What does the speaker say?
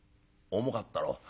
「重かったろう」。